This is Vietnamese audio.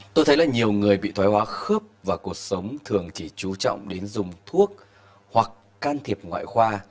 tôi thấy là nhiều người bị thoái hóa khớp và cuộc sống thường chỉ chú trọng đến dùng thuốc hoặc can thiệp ngoại khoa